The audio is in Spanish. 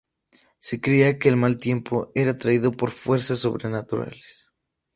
Se creía que el mal tiempo era traído por fuerzas sobrenaturales.